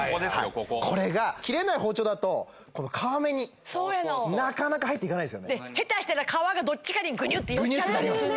こここれが切れない包丁だと皮目になかなか入っていかないですよねヘタしたらどっちかにグニュってなります